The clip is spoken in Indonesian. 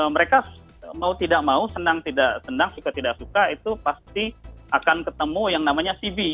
mereka mau tidak mau senang tidak senang suka tidak suka itu pasti akan ketemu yang namanya cv